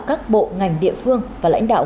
các bộ ngành địa phương và lãnh đạo